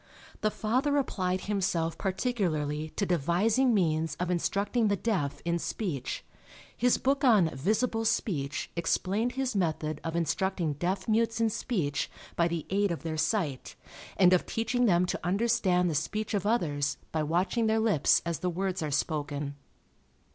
The father applied himself particularly to devising means of instructing the deaf in speech. His book on Visible Speech explained his method of instructing deaf mutes in speech by the aid of their sight, and of teaching them to understand the speech of others by watching their lips as the words are spoken.